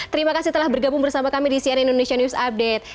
terima kasih telah bergabung bersama kami di cnn indonesia news update